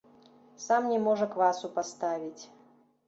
Сам не можа квасу паставіць.